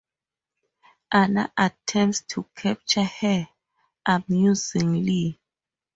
Anna attempts to capture her, amusing Lee.